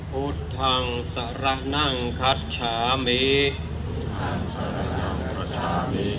พุทธภังสาระนังขัชชามีธรรมังสาระนังขัชชามี